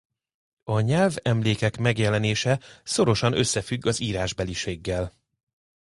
A nyelvemlékek megjelenése szorosan összefügg az írásbeliséggel.